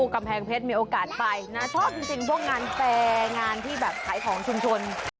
กำแพงเพชรมีโอกาสไปนะชอบจริงพวกงานแฟร์งานที่แบบขายของชุมชน